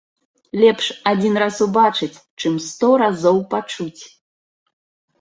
Лепш адзін раз убачыць, чым сто разоў пачуць!